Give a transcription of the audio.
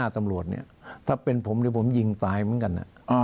ถ้าเป็นผมผมจะยิงตายเหมือนกันนะ